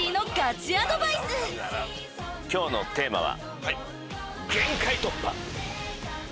今日のテーマは。